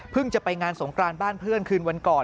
จะไปงานสงกรานบ้านเพื่อนคืนวันก่อน